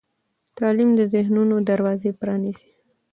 تعلیم د ذهنونو دروازې پرانیزي.